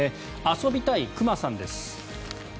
遊びたい熊さんです。